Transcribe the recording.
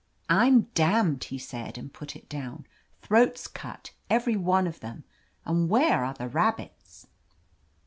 "I'm damned!" he said, and put it down. ^'Throats cut, every one of them ! And where are the rabbits